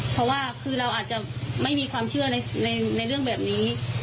เพราะว่าคือเราอาจจะไม่มีความเชื่อในเรื่องแบบนี้